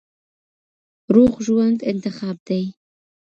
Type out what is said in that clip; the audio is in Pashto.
روغ ژوند انتخاب دی.